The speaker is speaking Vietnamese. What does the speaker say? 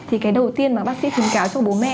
thì cái đầu tiên mà bác sĩ khuyến cáo cho bố mẹ